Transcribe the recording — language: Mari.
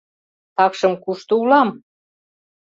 — Такшым кушто улам?